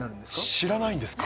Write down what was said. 知らないんですか？